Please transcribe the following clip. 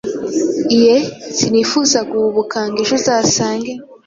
iye. Sinifuza guhubuka ngo ejo uzasange